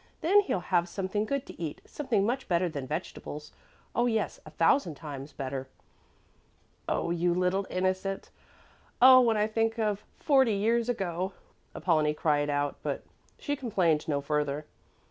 Then he'll have something good to eat, something much better than vegetables; oh, yes, a thousand times better." "You little innocent! Oh, when I think of forty years ago!" Apollonie cried out, but she complained no further.